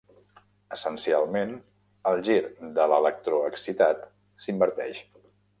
Essencialment, el gir de l'electró excitat s'inverteix.